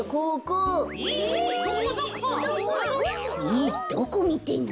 えっどこみてんの？